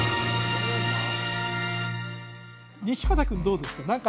西畑君どうですか？